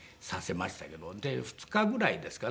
で２日ぐらいですかね。